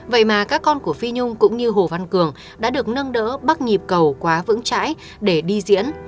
vậy mà các con của phi nhung cũng như hồ văn cường đã được nâng đỡ bắt nhịp cầu quá vững chãi để đi diễn